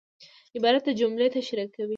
عبارت د جملې تشریح کوي.